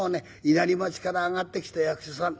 稲荷町から上がってきた役者さん